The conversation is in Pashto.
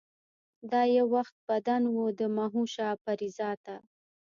دا یو وخت بدن و د مهوشه پرې ذاته